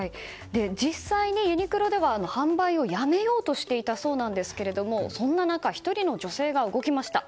実際にユニクロでは、販売をやめようとしていたそうですがそんな中１人の女性が動きました。